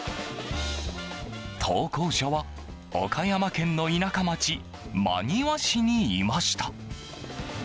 投稿者は岡山県の田舎町真庭市にいました。